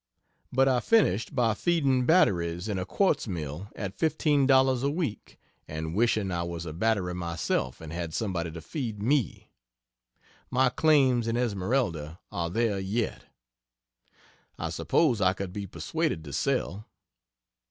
But I finished by feeding batteries in a quartz mill at $15 a week, and wishing I was a battery myself and had somebody to feed me. My claims in Esmeralda are there yet. I suppose I could be persuaded to sell.